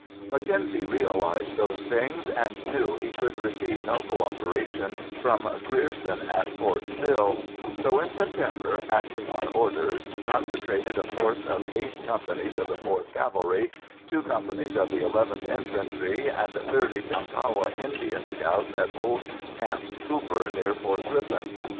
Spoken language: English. Mackenzie realized those things and knew he could receive no cooperation from Grierson at Fort Sill, so in September, acting on orders, concentrated a force of eight companies of the 4th Cavalry, two companies of the 11th Infantry and thirty Tonkawa Indian scouts at old Camp Cooper near Fort Griffin.